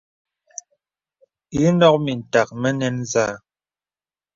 Ìnɔ̄k mìtak mə nɛn zâ.